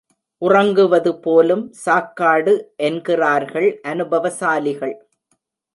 உறங்குவது போலும் சாக்காடு என்கிறார்கள் அனுபவசாலிகள்.